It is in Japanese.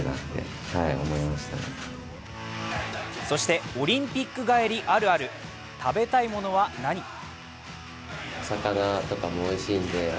そしてオリンピック帰りあるある、食べたいものはなに？